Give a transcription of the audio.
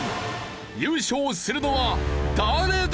優勝するのは誰だ！？